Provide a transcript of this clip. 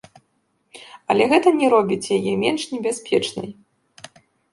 Але гэта не робіць яе менш небяспечнай.